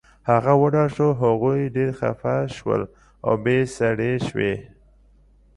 هغه وډار شو، هغوی ډېر خفه شول، اوبې سړې شوې